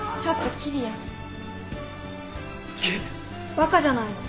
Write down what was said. バカじゃないの。